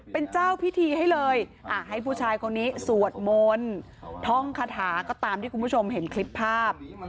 เป็นเจ้าพิธีให้เลยให้ผู้ชายคนนี้สวดมนต์ท่องคาถาก็ตามที่คุณผู้ชมเห็นคลิปภาพ